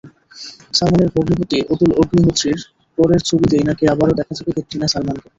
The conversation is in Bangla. সালমানের ভগ্নিপতি অতুল অগ্নিহোত্রীর পরের ছবিতেই নাকি আবারও দেখা যাবে ক্যাটরিনা-সালমানকে।